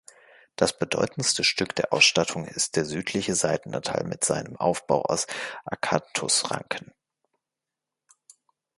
Das bedeutendste Stück der Ausstattung ist der südliche Seitenaltar mit seinem Aufbau aus Akanthusranken.